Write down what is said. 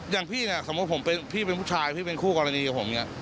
อย่างพี่สมมุติผมเป็นผู้ชายพี่เป็นคู่กรณีกับผม